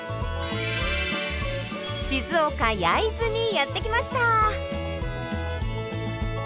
静岡・焼津にやってきました。